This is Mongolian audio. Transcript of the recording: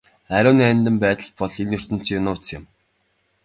Ариун нандин байдал бол энэ ертөнцийн нууц юм.